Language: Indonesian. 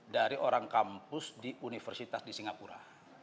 dari orang kampus di universitas di singapura